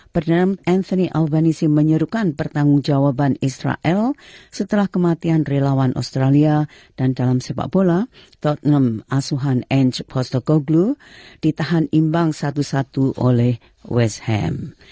perdana anthony albanese menyerukan pertanggungjawaban israel setelah kematian relawan australia dan dalam sepak bola tottenham asuhan ange postogoglu ditahan imbang satu satu oleh west ham